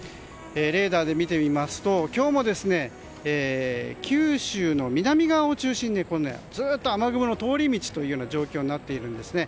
レーダーで見てみますと今日も、九州の南側を中心にずっと雨雲の通り道という状況になっているんです。